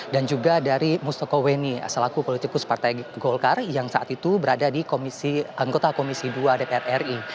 dan juga dari mustokoweni selaku politikus partai golkar yang saat itu berada di anggota komisi dua dpr ri